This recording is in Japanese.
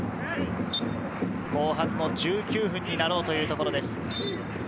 後半の１９分になろうというところです。